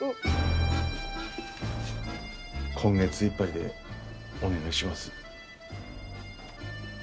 今月いっぱいでお願いします。